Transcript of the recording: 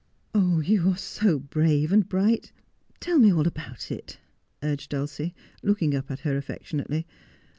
' You are so brave and bright. Tell me all about it,' urged Dulcie, looking up at her affectionately.